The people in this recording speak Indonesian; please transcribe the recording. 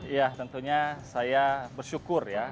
ya tentunya saya bersyukur ya